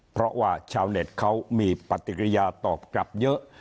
เพราะว่าชาวเน็ตเขามีปฏิกิริยาตอบกลับเยอะ